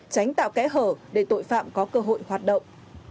tránh tạo kẽ hở để tội phạm có cơ hội hoạt động